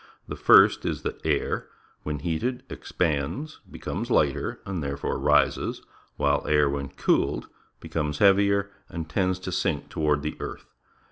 The first is that air, when heated, ex pands, becomes ligliter, and therefore rises, while air, when eoolctl, becomes heavier and tends to sink toward the earth.